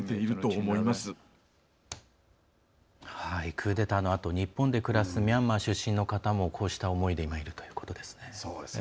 クーデターのあと日本で暮らすミャンマー出身の方もこうした思いでいるということですね。